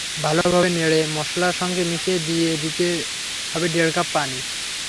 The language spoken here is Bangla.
ভালোভাবে নেড়ে মসলার সঙ্গে মিশিয়ে দিয়ে দিতে হবে দেড় কাপ পানি।